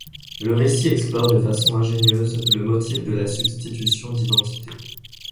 Le récit explore de façon ingénieuse le motif de la substitution d'identité.